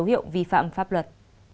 dấu hiệu vi phạm pháp luật